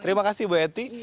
terima kasih bu eti